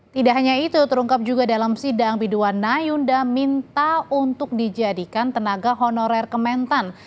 tidak hanya itu terungkap juga dalam sidang biduan nayunda minta untuk dijadikan tenaga honorer kementan